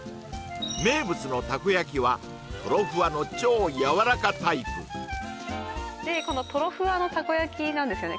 名物のたこ焼きはとろふわの超やわらかタイプとろふわのたこ焼きなんですよね